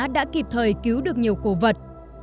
đã kịp thời cứu được nhiều cổ vật